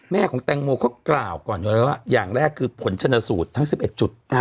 แม่ของแตงโมเขากล่าวก่อนอยู่แล้วว่าอย่างแรกคือผลชนสูตรทั้ง๑๑จุด